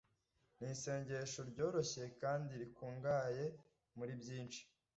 “ni isengesho ryoroshye kandi rikungahaye muri byinshi,